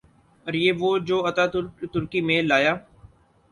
اوریہ وہ جو اتا ترک ترکی میں لایا۔